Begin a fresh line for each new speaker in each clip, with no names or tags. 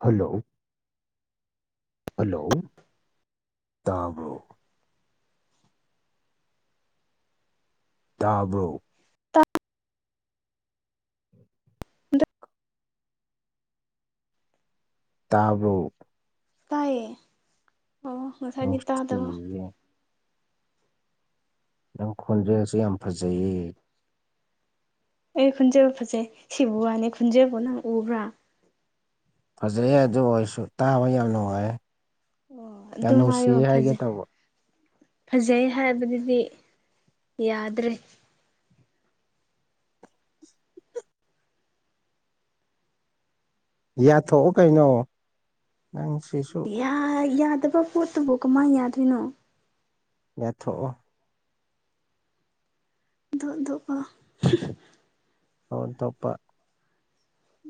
hello hello ꯇꯥꯕ꯭ꯔꯣ ꯇꯥꯕ ꯇꯥꯕꯨ
ꯇꯥꯏꯌꯦ ꯑꯣ ꯉꯁꯥꯏꯒꯤ ꯇꯗ
ꯅꯨꯡꯁꯤꯌꯦ ꯅꯪ ꯈꯣꯟꯖꯔꯁꯨ ꯌꯥꯝ ꯐꯖꯩꯌꯦ
ꯑꯩ ꯈꯨꯟꯖꯦꯜꯕꯨ ꯐꯖꯩ ꯁꯤꯕꯨ ꯋꯥꯅꯤ ꯈꯨꯟꯖꯦꯜꯕꯨ ꯅꯪ ꯎꯕ꯭ꯔꯥ
ꯐꯖꯩꯦ ꯑꯗꯨ ꯑꯣꯏꯔꯁꯨ ꯇꯥꯕ ꯌꯥꯝ ꯅꯨꯡꯉꯥꯏ
ꯑꯣ
ꯌꯥꯝ
ꯑꯗꯨꯝ ꯍꯥꯏꯌꯣ
ꯅꯨꯡꯁꯤꯌꯦ ꯍꯥꯏꯒꯦ
ꯐꯖꯩ
ꯇꯧꯕ
ꯐꯖꯩ ꯍꯥꯏꯕꯗꯨꯗꯤ ꯌꯥꯗ꯭ꯔꯦ
ꯌꯥꯊꯣꯛꯑꯣ ꯀꯩꯅꯣ ꯅꯪ ꯁꯤꯁꯨ
ꯌꯥꯗꯕ ꯄꯣꯠꯇꯨꯕꯨ ꯀꯃꯥꯏꯅ ꯌꯥꯗꯣꯏꯅꯣ
ꯌꯥꯊꯣꯛꯑꯣ
ꯑꯗꯨꯗꯧꯕꯒ
ꯇꯧꯐꯝ ꯊꯣꯛꯄ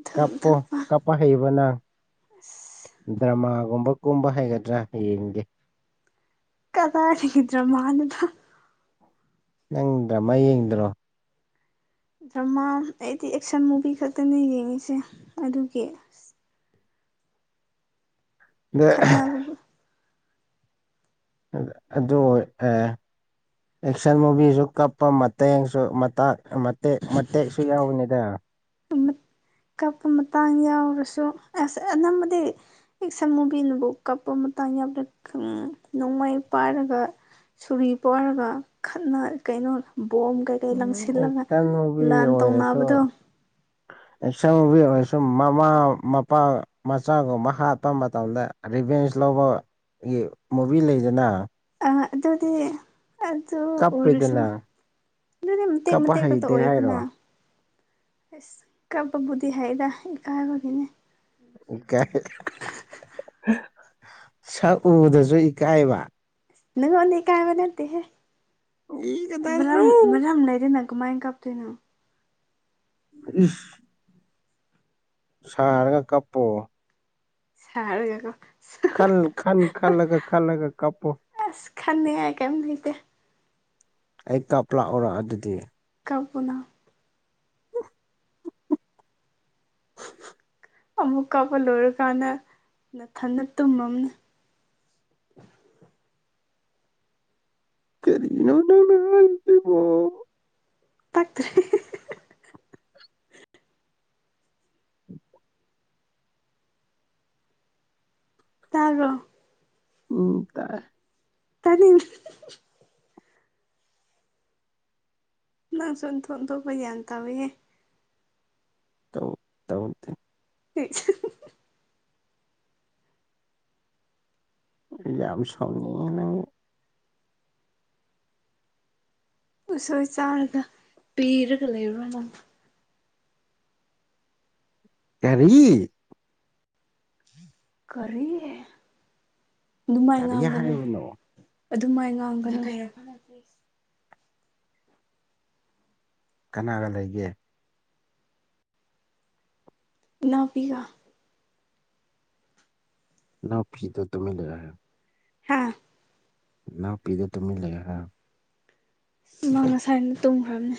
ꯊꯛ
ꯀꯞꯄ
ꯊꯛꯄ
ꯀꯞ ꯄ ꯍꯩꯕ ꯅꯪ ꯗ꯭ꯔꯃꯥꯒꯨꯝꯕ ꯀꯨꯝꯕ ꯍꯩꯒꯗ꯭ꯔꯥ ꯌꯦꯡꯒꯦ
ꯀꯗꯥꯈꯤꯗ꯭ꯔꯣ ꯃꯥꯗꯨꯗ
ꯅꯪꯗ꯭ꯔꯃ ꯌꯦꯡꯗ꯭ꯔꯣ
ꯗ꯭ꯔꯃꯥ ꯑꯩꯗꯤ ꯑꯦꯛꯁꯟ ꯃꯨꯚꯤ ꯈꯛꯇꯅꯤ ꯌꯦꯡꯉꯤꯁꯦ ꯑꯗꯨꯒꯤ
ꯑꯗ
ꯈꯠꯅꯕ
ꯑ ꯑꯗꯨꯗꯣ ꯑ ꯑꯦꯛꯁꯟ ꯃꯨꯚꯤꯁꯨ ꯀꯞꯄ ꯃꯇꯦꯡꯁꯨ ꯃꯇ ꯃꯇꯦꯛ ꯃꯇꯦꯛꯁꯨ ꯌꯥꯎꯕꯅꯤꯗ
ꯀꯞꯄ ꯃꯇꯥꯡ ꯌꯥꯎꯔꯁꯨ ꯑꯁ ꯑꯅꯝꯕꯗꯤ ꯑꯦꯛꯁꯟ ꯃꯨꯚꯤꯅꯕꯨꯥꯎ ꯀꯥꯄ ꯃꯇꯥꯡ ꯌꯥꯝꯅ ꯅꯣꯡꯃꯥꯏ ꯄꯥꯏꯔꯒ ꯁꯨꯔꯤ ꯄꯣꯔꯒ ꯈꯠꯅ ꯀꯩꯅꯣ ꯕꯣꯝ ꯀꯩ ꯑꯩ
ꯎꯝ
ꯂꯪꯁꯤꯜꯂꯒ ꯂꯟ ꯇꯧꯅꯕꯗꯣ
ꯑ ꯑꯦꯁꯪꯒꯤ ꯑꯣꯏꯔꯁꯨ ꯃꯃꯥ ꯃꯄꯥ ꯃꯆꯥꯒꯨꯝꯕ ꯍꯥꯠꯄ ꯃꯇꯝꯗ ꯚꯦꯟꯁ ꯂꯧꯕꯒꯤ ꯃꯨꯚꯤ ꯂꯩꯗꯅ
ꯑ ꯑꯗꯨꯗꯤ ꯑꯗꯨ ꯑꯣꯔꯁꯨ
ꯀꯞꯄꯦꯗꯅ
ꯑꯗꯨꯦ ꯃ ꯇꯠ ꯃ
ꯀꯞꯄ
ꯇꯠ ꯀꯛꯇ
ꯍꯩꯇꯦ
ꯑꯣꯏꯗꯅ
ꯍꯥꯏꯔꯣ
ꯑꯁ ꯀꯄꯕꯨꯗꯤ ꯍꯥꯏꯔ ꯏ ꯀꯥꯕꯒꯤꯅꯦ
ꯏꯀꯥꯏ ꯁꯛ ꯎꯗꯁꯨ ꯏꯀꯥꯏꯕ
ꯅꯪꯉꯣ ꯑꯅꯤ ꯀꯥꯏꯕ ꯅꯗꯤ
ꯏ ꯀꯗꯥꯏꯗꯅꯣ
ꯍꯦ꯭ꯔꯝ꯭ꯔꯝ ꯂꯩꯗ ꯅꯪ ꯀꯃꯥꯏ ꯀꯥꯄꯇꯅꯣ
ꯎ ꯁꯥꯔꯒ ꯀꯞꯄꯣ
ꯍꯔ ꯍꯦꯒ
ꯈꯜ ꯈꯜ ꯈꯜꯂꯒ ꯈꯜꯂꯒ ꯀꯄ
ꯑꯁ ꯈꯟꯅꯤꯡꯉꯥꯏ ꯀꯩꯝ ꯂꯩꯇꯦ
ꯑꯩ ꯀꯥꯞ ꯂꯥꯛꯎꯔꯣ ꯑꯗꯨꯗꯤ
ꯀꯕꯨꯅ ꯑꯃꯨꯛ ꯀꯥꯞꯄ ꯂꯣꯏꯔꯀꯥꯟꯗ ꯅꯥꯊꯟꯅ ꯇꯨꯝꯃꯝ
ꯀꯔꯤꯅꯣꯅꯅꯕꯣ
ꯇꯥꯛꯇꯔꯔꯤ
ꯎꯝ
ꯇꯥꯒꯣ
ꯎꯝ ꯇꯥꯏꯌꯦ
ꯇꯅꯤ ꯅꯪ ꯁꯨꯝ ꯊꯣꯡ ꯊꯣꯛꯣꯛꯄ ꯒ꯭ꯌꯥꯟ ꯇꯧꯋꯌꯦ
ꯇ ꯇꯧꯦ
ꯍ
ꯌꯥꯝꯝ ꯁꯝ ꯌꯦꯡꯍ ꯅꯉ
ꯎꯁꯣꯏ ꯆꯥꯔꯒ ꯄꯤꯔꯒ ꯂꯩꯔꯨꯔ ꯅꯪ
ꯑꯦꯔꯤ
ꯀꯔꯤꯦ ꯑꯗꯨꯃꯥꯏ
ꯀꯔꯤ
ꯉꯥꯡꯒꯅꯦ
ꯍꯥꯏꯕꯅꯣ
ꯑꯗꯨ ꯃꯥꯏ ꯉꯥꯡꯒꯟꯈꯔ
ꯀꯅꯥꯒ ꯂꯩꯒꯦ
ꯏꯅꯥꯄꯤꯒ
ꯅ ꯐꯤꯗꯣ ꯇꯃꯤ ꯂꯩꯦ
ꯍꯥꯥ
ꯅꯥꯎꯄꯤꯗ ꯇꯨꯃꯤ ꯂꯩ ꯍꯥꯏ
ꯏꯃꯥꯡ ꯉꯁꯥꯏꯅ ꯇꯨꯝꯈ꯭ꯔꯕꯅꯤ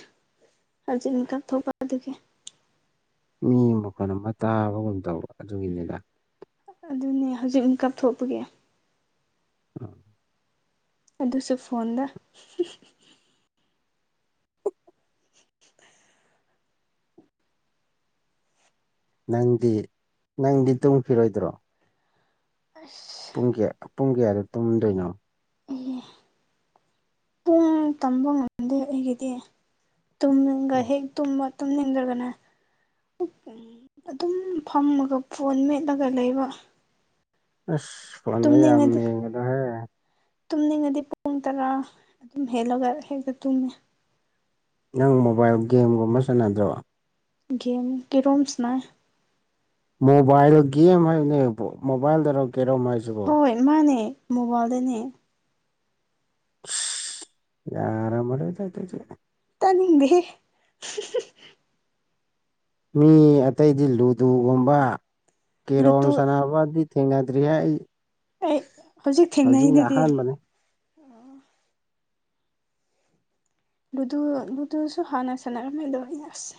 ꯍꯧꯖꯤ ꯀꯛꯊꯣꯛꯄ ꯑꯗꯨꯒꯤ
ꯃꯤ ꯃꯈꯠ ꯑꯃ ꯇꯥꯕꯒꯨꯝ ꯇꯧꯕ ꯑꯗꯨꯒꯤꯅꯤꯗ
ꯑꯗꯨꯅꯦ ꯍꯧꯖꯤꯛ ꯀꯥꯞꯊꯣꯛꯄꯒꯦ
ꯎꯝ
ꯑꯗꯨꯁꯨ ꯐꯣꯟꯗ
ꯅꯪꯗꯤ ꯅꯪꯗꯤ ꯇꯨꯡꯐꯤꯔꯣꯏꯗ꯭ꯔꯣ
ꯑ
ꯄꯨꯡ ꯀꯌꯥ ꯄꯨꯡ ꯀꯌꯥꯗꯣ ꯇꯨꯝꯗꯣꯏꯅꯣ
ꯑꯩꯍꯦ ꯄꯨꯡ ꯇꯝꯕ ꯉꯝꯗꯦ ꯑꯩꯒꯤꯗꯤ ꯇꯨꯝꯅꯤꯡꯒ ꯍꯦꯛ ꯇꯨꯝꯕ ꯇꯨꯝꯅꯤꯡꯗ꯭ꯔꯒꯅꯦ ꯑꯗꯨꯝ ꯐꯝꯃꯒ ꯐꯣꯟ ꯃꯦꯠꯂꯒ ꯂꯩꯕ
ꯑꯁ ꯄꯟ ꯌꯥ
ꯇꯨꯝꯅꯤꯡꯉꯗꯤ
ꯃꯉꯗ ꯍꯥꯏ
ꯇꯨꯝꯅꯤꯡꯉꯗꯤ ꯄꯨꯡ ꯇꯔꯥ ꯑꯗꯨꯝ ꯍꯦꯜꯂꯒ ꯍꯦꯛꯇ ꯇꯨꯝꯃꯦ
ꯅꯪ ꯃꯣꯕꯥꯏꯜ ꯒꯦꯝꯒꯨꯝꯕ ꯁꯥꯟꯅꯗ꯭ꯔꯣ
ꯒꯦꯝꯀꯤ ꯔꯣꯝꯁ ꯅ
ꯃꯣꯕꯥꯏꯜꯗ ꯒꯦꯝ ꯍꯥꯏꯕꯅꯦ ꯃꯣꯕꯥꯏꯜꯗꯔ ꯀꯦꯔꯣ ꯍꯥꯏꯁꯤꯕꯣ
ꯍꯣꯏ ꯃꯥꯅꯦ ꯃꯣꯕꯥꯏꯜꯗꯅꯦ
ꯔꯥ ꯑꯣꯏ ꯇꯥꯏ ꯇꯣꯏꯖꯤ
ꯇꯅꯤꯗꯦ
ꯃꯤ ꯑꯇꯩꯗꯤ ꯂꯨꯗꯨꯒꯨꯝꯕ ꯀꯦꯔꯣꯝ
ꯂꯨꯇꯨ
ꯁꯥꯟꯅꯕ ꯊꯦꯡꯅꯗ꯭ꯔꯤ ꯑꯩ
ꯑꯩ ꯍꯧꯖꯤꯛ
ꯍꯧꯖꯤꯛꯅ
ꯊꯦꯡꯅꯔꯤꯩꯗꯨꯗꯤ
ꯑꯍꯥꯟꯕꯅꯦ
ꯂꯨꯗꯨ ꯂꯨꯗꯨꯁꯨ ꯍꯥꯟꯅ ꯁꯥꯟꯅꯔꯝꯃꯦꯗꯣꯩꯅꯁꯦ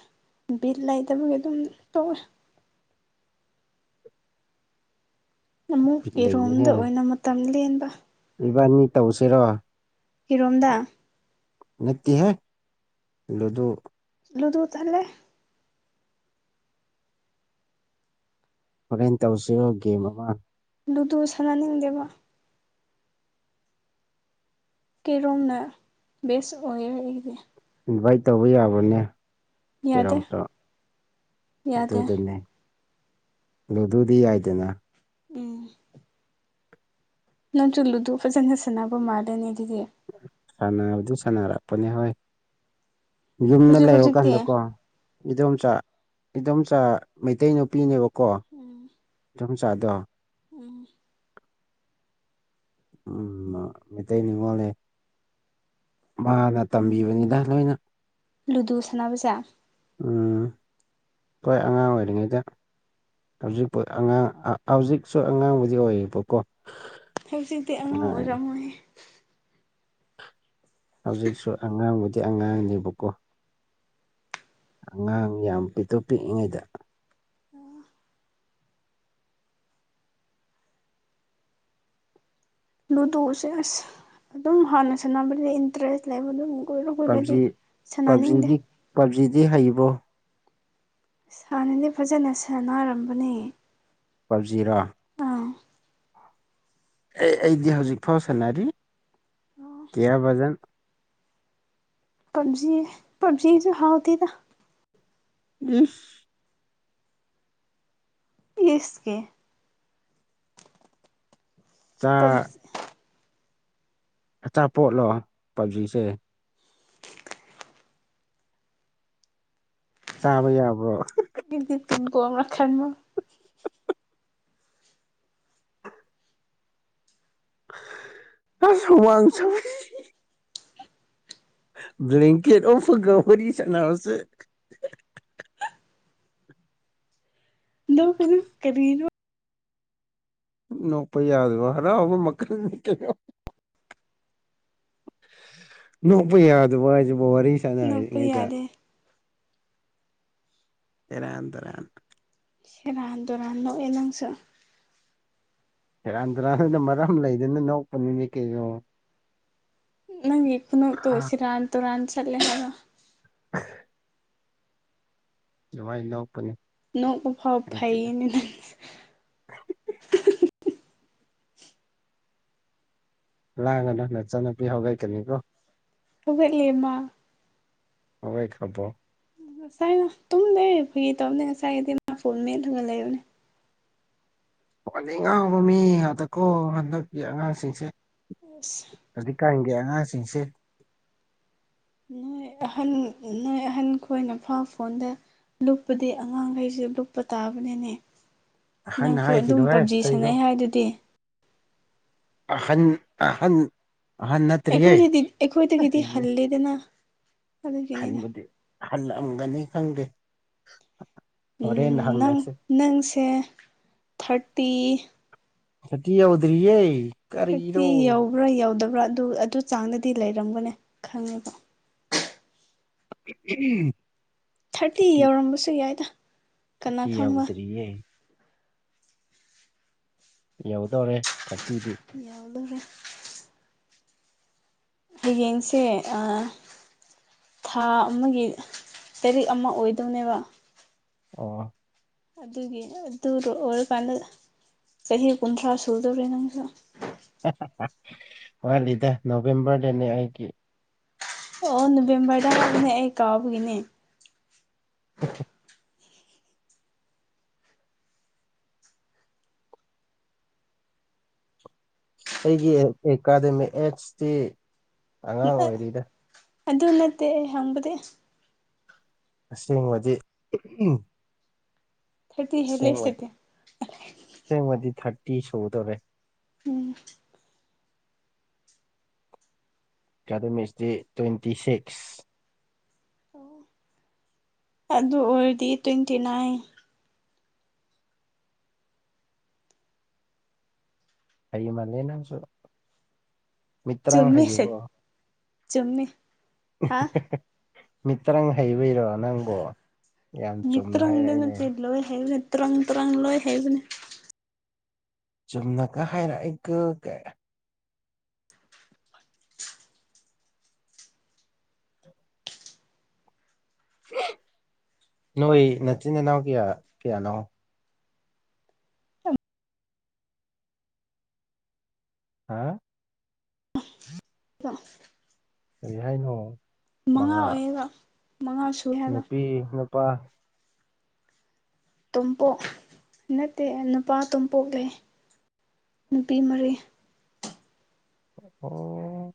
ꯕꯤꯜ ꯂꯩꯇꯕꯒꯤ ꯑꯗꯨꯝ ꯇꯧꯑꯦ ꯑꯃꯨꯛ
ꯕꯤꯠ
ꯏꯔꯣꯝꯗ
ꯂꯩꯅꯤꯍꯦ
ꯑꯣꯏꯅ ꯃꯇꯝ ꯂꯦꯟꯕ
ꯏꯕꯥꯅꯤ ꯇꯧꯁꯤꯔꯣ
ꯏꯔꯣꯝꯗ
ꯅꯠꯇꯦꯍꯦ ꯂꯨꯗꯨ
ꯂꯨꯗꯨ ꯇꯟꯂꯦ
ꯍꯣꯔꯦꯟ ꯇꯧꯁꯤꯔꯣ ꯒꯦꯝ ꯑꯃ
ꯂꯨꯗꯨ ꯁꯥꯟꯅꯅꯤꯡꯗꯦꯕ ꯀꯩꯔꯣꯝꯅ ꯕꯦꯁ ꯑꯣꯏꯌꯦ ꯑꯩꯗꯤ
ꯏꯟꯚꯥꯏꯠ ꯇꯧꯕ ꯌꯥꯕ꯭ꯔꯣꯅꯦ
ꯌꯥꯗꯦ
ꯀꯦꯔꯣꯝꯁꯦ
ꯌꯥꯗꯦ
ꯑꯗꯨꯗꯨꯅꯦ ꯂꯨꯗꯨꯗꯤ ꯌꯥꯏꯗꯅ
ꯎꯝ ꯅꯪꯁꯨ ꯂꯨꯗꯨ ꯐꯖꯟ ꯁꯥꯟꯅꯕ ꯃꯥꯟꯂꯤꯅꯦ ꯑꯗꯨꯗꯤ
ꯁꯅꯥꯕꯗꯤ ꯁꯥꯟꯅꯥꯔꯥꯛꯄꯅꯦ ꯍꯣꯏ ꯌꯨꯝꯗ
ꯍꯧꯖꯤꯛ ꯍꯧꯖꯤꯛꯇꯤ
ꯂꯩꯕꯀꯥꯟꯗꯀꯣ ꯏꯗꯣꯝꯆꯥ ꯏꯗꯣꯝꯆꯥ ꯃꯩꯇꯩ ꯅꯨꯄꯤꯅꯦꯕꯀꯣ
ꯎꯝ
ꯏꯟꯗꯣꯝꯆꯥꯥꯗꯣ
ꯎꯝ
ꯎꯝ ꯃꯩꯇꯩ ꯅꯤꯉꯣꯜꯂꯦ ꯃꯥꯅ ꯇꯝꯕꯤꯕꯅꯤꯗ ꯂꯣꯏꯅ
ꯂꯨꯗꯨ ꯁꯥꯟꯅꯕꯖꯦ
ꯎꯝ ꯍꯣꯏ ꯑꯉꯥꯡ ꯑꯣꯏꯔꯤꯉꯩꯗ ꯍꯧꯖꯤꯛꯄꯨ ꯑꯉꯥꯡ ꯍꯧꯖꯤꯛꯁꯨ ꯑꯉꯥꯡꯕꯨꯗꯤ ꯑꯣꯏꯌꯦꯕꯀꯣ
ꯍꯧꯖꯤꯛꯇꯤ ꯑꯉꯥꯡ ꯑꯣꯏꯔꯝꯃꯣꯏ
ꯍꯧꯖꯤꯛꯁꯨ ꯑꯉꯥꯡꯕꯨꯗꯤ ꯑꯉꯥꯡꯅꯦꯕꯀꯣ ꯑꯉꯥꯡ ꯌꯥꯝ ꯄꯤꯛꯇꯨꯛ ꯄꯤꯛꯏꯉꯩꯗ
ꯑꯣ ꯂꯨꯗꯨꯁꯦ ꯑꯁ ꯑꯗꯨꯝ ꯍꯥꯟꯅ ꯁꯥꯟꯅꯕꯗ ꯏꯟꯇꯔꯦꯁ ꯂꯩꯕ ꯑꯗꯨꯕꯨ ꯀꯨꯏꯔ ꯀꯨꯏꯔꯗꯤ
ꯄꯞꯖꯤ
ꯁꯥꯟꯅꯅꯤꯡꯗꯦ
ꯄꯞꯖꯤꯗꯤ ꯄꯞꯖꯤꯗꯤ ꯍꯩꯕ꯭ꯔꯣ
ꯍꯥꯟꯅꯗꯤ ꯐꯖꯅ ꯁꯥꯟꯅꯔꯝꯕꯅꯦ
ꯄꯞꯖꯤꯔꯥ
ꯑꯪ
ꯑꯦ ꯑꯩꯗꯤ ꯍꯧꯖꯤꯛ ꯐꯥꯎ ꯁꯥꯟꯅꯔꯤ ꯀꯦꯌꯥ ꯕꯖꯟ
ꯄꯞꯖꯤ ꯄꯞꯖꯤꯁꯨ ꯍꯥꯎꯇꯦꯗ
ꯏꯁ
ꯏꯁ ꯌꯦ
ꯆꯥ ꯑꯆꯥꯄꯣꯠꯂꯣ ꯄꯞꯖꯤꯁꯦ ꯆꯥꯕ ꯌꯥꯕ꯭ꯔꯣ [unintelligible]
ꯑꯩꯗꯤ ꯄꯤꯝ ꯄꯣꯡꯔ ꯈꯟꯕ
[unintelligible] ꯕꯥꯡꯀ꯭꯭ꯂꯦꯠ ꯎꯞꯄꯒ ꯋꯥꯔꯤ ꯁꯥꯟꯅꯕꯁꯦ
ꯅꯣꯛꯀꯅꯨ ꯀꯔꯤꯅꯣ
ꯅꯣꯛꯄ ꯌꯥꯗꯕ ꯍꯔꯥꯎꯕ ꯃꯈꯜꯅꯤ ꯀꯩꯅꯣ ꯅꯣꯛꯄ ꯌꯥꯗꯕ ꯍꯥꯏꯁꯤꯕꯨ ꯋꯥꯔꯤ
ꯅꯣꯛꯄ
ꯁꯥꯟꯅꯔꯤꯉꯩꯗ
ꯌꯥꯗꯦ
ꯁꯦꯔꯥꯟ ꯇꯨꯔꯥꯟ
ꯁꯦꯔꯥꯟ ꯇ ꯨꯔꯥꯟ ꯅꯣꯛꯑꯦ ꯅꯪꯁꯨ
ꯁꯦꯔꯥꯟ ꯇꯨꯔꯥꯟꯗꯨꯅ ꯃꯔꯝ ꯂꯩꯗꯅ ꯅꯣꯛꯄꯅꯤꯅꯦ ꯀꯩꯅꯣ
ꯅꯪꯒꯤ ꯈꯨꯅꯣꯛꯇꯣ ꯁꯤꯔꯥꯟ ꯇꯨꯔꯥꯟ ꯆꯠꯂꯦ ꯍꯥꯏꯕ
[inaudible] ꯁꯨꯝꯃꯥꯏ ꯅꯣꯛꯄꯅꯤ
ꯅꯣꯛꯄ ꯐꯥꯎꯕ
ꯑꯩꯗꯤ
ꯐꯩꯌꯦꯅꯦ ꯅꯪ
ꯂꯥꯡꯒꯅꯣ ꯅꯆꯟꯅꯨꯄꯤ ꯍꯧꯒꯠꯀꯅꯤꯀꯣ
ꯍꯧꯒꯠꯂꯦ ꯃꯥ
ꯍꯧꯒꯠꯈ꯭ꯔꯥꯕꯣ
ꯉꯁꯥꯏꯅ ꯇꯨꯝꯗꯦ ꯐꯒꯤ ꯇꯧꯕꯅꯦ ꯉꯁꯥꯏꯒꯤꯗꯤ ꯃꯥ ꯐꯣꯟ ꯃꯦꯠꯂꯒ ꯂꯩꯕꯅꯦ
ꯐꯣꯟꯗ ꯉꯥꯎꯕ ꯃꯤ ꯉꯥꯛꯇꯀꯣ ꯍꯟꯗꯛꯀꯤ ꯑꯉꯥꯡꯁꯤꯡꯁꯦ
ꯑꯁ
ꯍꯧꯖꯤꯛꯀꯥꯟꯒꯤ ꯑꯉꯥꯡꯁꯤꯡꯁꯦ
ꯅꯣꯏ ꯑꯍꯟ ꯅꯣꯏ ꯑꯍꯟ ꯈꯣꯏꯅ ꯐꯥꯎ ꯐꯣꯟꯗ ꯂꯨꯞꯄꯗꯤ ꯑꯉꯥꯡꯈꯩꯁꯦ ꯂꯨꯞꯄ ꯇꯥꯕꯅꯤꯅꯦ
ꯑꯍꯟ
ꯅꯪꯁꯨ ꯑꯗꯨꯝ
ꯍꯥꯏꯈꯤꯅꯨꯍꯦ
ꯄꯞꯖꯤ
ꯀꯩꯅꯣ
ꯁꯥꯟꯅꯩ ꯍꯥꯏꯗꯨꯗꯤ
ꯑꯍꯟ ꯑꯍꯟ ꯑꯍꯟ ꯅꯠꯇ꯭ꯔꯤꯌꯦ [inaudible]
ꯂꯩꯗꯅ
ꯍꯟꯕꯨꯗꯤ ꯍꯜꯂꯝꯒꯅꯤ ꯈꯪꯗꯦ
ꯎꯝ
ꯍꯣꯔꯦꯟ
ꯅꯪ
ꯍꯪꯅꯁꯦ
ꯅꯪꯁꯦ ꯊꯥꯔꯇꯤ
ꯊꯥꯔꯇꯤ ꯌꯧꯗ꯭ꯔꯤꯌꯦ
ꯊꯔꯇꯤ
ꯀꯔꯤꯅꯣ
ꯌꯧꯕ꯭ꯔꯥ ꯌꯧꯗꯕ꯭ꯔꯥ ꯑꯗꯨ ꯑꯗꯨ ꯆꯥꯡꯗꯗꯤ ꯂꯩꯔꯝꯒꯅꯤ ꯈꯪꯉꯦꯕ
ꯎꯝ
ꯊꯥꯔꯇꯤ ꯌꯧꯔꯝꯕꯁꯨ ꯌꯥꯏꯗ ꯀꯅꯥ
ꯊꯥꯔꯇꯤ
ꯈꯪꯕ
ꯌꯧꯗ꯭ꯔꯤꯌꯦ ꯌꯧꯗꯣꯔꯦ ꯊꯔꯇꯤꯗꯤ
ꯌꯧꯗꯣꯔꯦ ꯍꯌꯦꯡꯁꯦ ꯑꯥ ꯊꯥ ꯑꯃꯒꯤ ꯇꯔꯤꯛ ꯑꯃ ꯑꯣꯏꯗꯧꯅꯦꯕ
ꯑꯣ
ꯑꯗꯨꯒꯤ ꯑꯗꯨ ꯑꯣꯏꯔꯀꯥꯟꯗ ꯆꯍꯤ ꯀꯨꯟꯊ꯭ꯔꯥ ꯁꯨꯗꯧꯔꯦ ꯅꯪꯁꯨ
[unintelligible] ꯋꯥꯠꯂꯤꯗ ꯅꯣꯚꯦꯝꯕꯔꯗꯅꯦ ꯑꯩꯗꯤ
ꯑꯣ ꯅꯚꯦꯝꯕꯔꯗ ꯍꯥꯏꯕꯅꯦ ꯑꯩ ꯀꯥꯎꯕꯒꯤꯅꯦ
[unintelligible] ꯑꯩꯒꯤ ꯑꯦꯀꯥꯗꯃꯤꯛ ꯑꯦꯠꯁꯇꯤ ꯑꯉꯥꯡ ꯑꯣꯏꯔꯤꯗ
[unintelligible] ꯑꯗꯨ ꯅꯠꯇꯦ ꯑꯩ ꯍꯪꯕꯗꯤ
ꯑꯁꯦꯡꯕꯗꯤ [unintelligible]
ꯊꯥꯔꯇꯤ ꯍꯦꯜꯂꯦ
ꯁꯦꯡꯕꯗꯤ
ꯁꯤꯗꯤ
ꯁꯦꯡꯕꯗꯤ ꯊꯥꯔꯇꯤ ꯁꯨꯒꯗꯧꯔꯦ
ꯎꯝ
ꯑꯦꯀꯥꯗꯦꯃꯤꯁ ꯇꯤ ꯇ꯭ꯋꯦꯟꯇꯤ ꯁꯤꯛꯁ
ꯑꯣ ꯑꯗꯨ ꯑꯣꯏꯔꯗꯤ ꯇ꯭ꯋꯦꯟꯇꯤ ꯅꯥꯏꯟ
ꯍꯩꯃꯜꯂꯦ ꯅꯪꯁꯨ ꯃꯤꯇ꯭ꯔꯪ
ꯆꯨꯝꯃꯦ ꯁꯦꯠ
ꯍꯩꯕꯣ
ꯆꯨꯝꯃꯦ
[unintelligible] ꯇ꯭ꯔꯪ ꯍꯩꯕꯩꯔꯣ ꯅꯪꯕꯨ ꯌꯥꯝ ꯆꯨꯝꯅ
ꯃꯤꯇ꯭ꯔꯪꯗ
ꯍꯥꯏꯔꯛꯏꯅꯦ
ꯅꯠꯇꯦ ꯂꯣꯏ ꯍꯩꯚ꯭ꯔꯟ ꯇ꯭ꯔꯪ ꯇ꯭ꯔꯪ ꯂꯣꯏ ꯍꯩꯕꯅꯦ
ꯆꯨꯝꯅꯒ ꯍꯥꯏꯔꯛꯏ ꯀꯣ ꯅꯣꯏ ꯅꯆꯤꯟ ꯅꯅꯥꯎ ꯀꯌꯥ ꯀꯌꯥꯅꯣ ꯍꯥ
[unintelligible] [inaudible]
ꯀꯔꯤ ꯍꯥꯏꯅꯣ
ꯃꯉꯥ ꯑꯣꯏꯌꯦꯕ ꯃꯉꯥꯁꯨ
ꯅꯨꯄꯤ ꯅꯨꯄꯥ
ꯇꯣꯝꯄꯣꯛ ꯅꯠꯇꯦ ꯅꯨꯄꯥ ꯇꯣꯝꯄꯣꯛ ꯂꯩ ꯅꯨꯄꯤ ꯃꯔꯤ
ꯑꯣ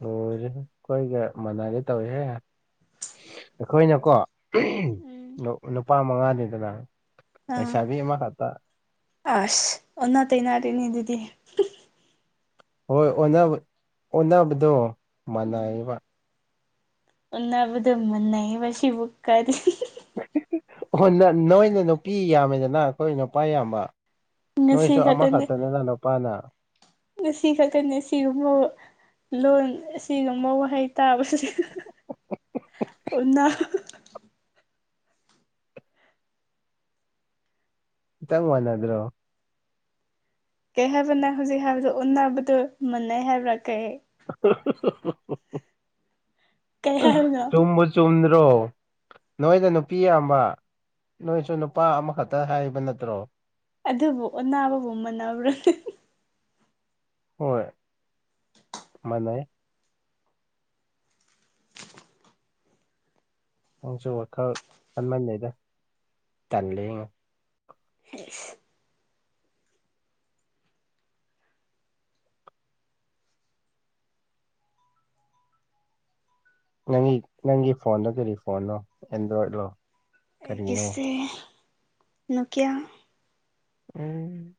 ꯍꯣꯏꯦ ꯑꯩꯈꯣꯏꯒ ꯃꯅꯥꯗ ꯇꯧꯏꯍꯦ ꯑꯩꯈꯣꯏꯅꯀꯣ
ꯎꯝ
ꯅꯨꯄꯥ ꯃꯉꯥꯅꯤꯗꯅ
ꯑꯥ
ꯂꯩꯁꯥꯕꯤ ꯑꯃꯈꯛꯇ
ꯑꯁ ꯑꯣꯟꯅ ꯇꯅꯔꯅꯤ ꯗꯤꯗꯤ
ꯍꯣꯏ ꯑꯣꯕꯗꯣ ꯃꯅꯥꯏꯕ
ꯑꯣꯟꯅꯕꯨꯗꯨ ꯃꯅ ꯄ ꯁꯤ ꯕꯨꯛꯀꯥꯔꯤ
ꯅꯣꯏꯅ ꯅꯨꯄꯤ ꯌꯥꯝꯃꯦꯗꯅ ꯑꯩꯈꯣꯏ ꯅꯨꯄꯥ ꯌꯥꯝꯕ
ꯉꯁꯤ
ꯅꯣꯏꯁꯨ ꯑꯃ ꯈꯛꯇꯅꯦꯖꯅ ꯅꯨꯄꯥꯅ
ꯁꯤ ꯈꯛꯇꯅꯦ ꯁꯤꯒꯨꯝꯕ ꯂꯣꯟ ꯑꯁꯤꯒꯨꯝꯕ ꯋꯥꯍꯩ ꯇꯥꯕꯁꯦ ꯑꯣ
ꯆꯪ ꯋꯥꯅꯤꯗꯣ
ꯀꯩ ꯍꯥꯏꯕꯅ ꯍꯧꯖꯤꯛ ꯍꯥꯏꯕꯗꯣ ꯎꯟꯅꯕꯗꯨ ꯃꯟꯅꯩ ꯍꯥꯏꯕ꯭ꯔꯥ ꯀꯩ ꯀꯩ ꯍꯥꯏꯕꯅꯣ
ꯑꯗꯨꯣ ꯃꯁ ꯆꯨꯝꯗ꯭ꯔꯣ ꯅꯣꯏꯗ ꯅꯨꯄꯤ ꯑꯃ ꯅꯣꯏꯁꯨ ꯅꯨꯄꯥ ꯑꯃꯈꯛꯇ ꯍꯥꯏꯕ ꯅꯠꯇ꯭ꯔꯣ
ꯑꯗꯨꯕꯨ ꯑꯣꯟꯅꯕꯕꯨ ꯃꯥꯟ꯭ꯔꯨ
ꯍꯣꯏꯥꯟꯅꯩ ꯅꯪꯁꯨ ꯋꯥꯈꯜ ꯈꯟꯃꯟꯜꯂꯤꯩꯗ ꯇꯜꯜꯂꯤꯉ
ꯍꯁ
ꯅꯪꯒꯤ ꯅꯪꯒꯤ ꯐꯣꯟꯅꯣ ꯀꯔꯤ ꯐꯣꯟꯅꯣ ꯑꯦꯟꯗ꯭ꯔꯣꯏꯗꯂꯣ
ꯑꯩ
ꯀꯔꯤꯅꯣ
ꯀꯁꯦ ꯅꯣꯀꯌꯥ
ꯎꯝ